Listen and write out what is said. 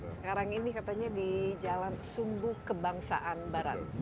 sekarang ini katanya di jalan sumbu kebangsaan barat